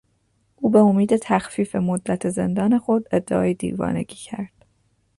او به امید تخفیف مدت زندان خود ادعای دیوانگی کرد.